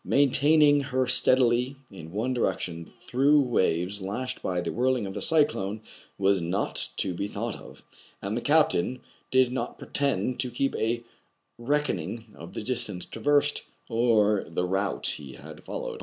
Maintaining her steadily in one direction through waves lashed by the whirling of the cyclone was not to be thought of; and the captain did not pretend to keep a reckoning of the distance traversed, or the route he had followed.